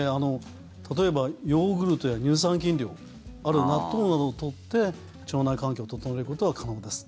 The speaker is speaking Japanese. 例えばヨーグルトや乳酸菌飲料あるいは納豆などを取って腸内環境を整えることは可能です。